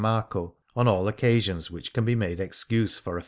Marco on all occasions which can be made excuse for &.